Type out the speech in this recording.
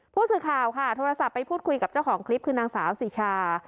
ผู้สื่อข่าวค่ะโทรศัพท์ไปพูดคุยกับเจ้าของคลิปคือนางสาวสิชา